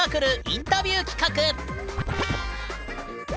インタビュー企画